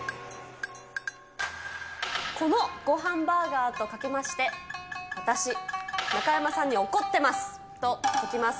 このごはんバーガーとかけまして、私、中山さんに怒ってますと解きます。